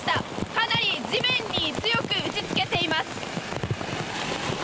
かなり地面に強く打ちつけています。